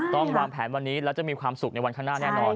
ต้องวางแผนวันนี้แล้วจะมีความสุขในวันข้างหน้าแน่นอน